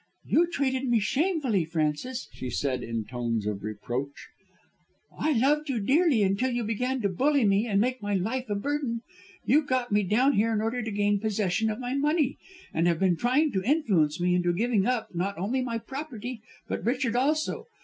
"You treated me shamefully, Frances," she said in tones of reproach. "I loved you dearly until you began to bully me and to make my life a burden. You got me down here in order to gain possession of my money, and have been trying to influence me into giving up not only my property but Richard also.